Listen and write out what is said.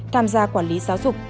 tham gia quản lý giáo dục